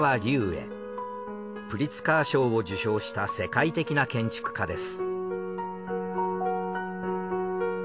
プリツカー賞を受賞した世界的な建築家です。